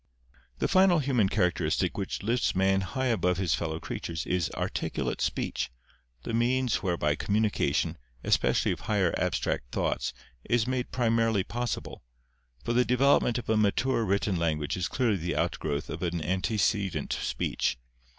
The final human characteristic which lifts man high above his fellow creatures is articulate speech, the means whereby communica tion, especially of higher abstract thoughts, is made primarily possible; for the development of a mature written language is clearly the outgrowth of antecedent speech.